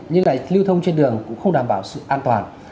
như này lưu thông trên đường cũng không đảm bảo sự an toàn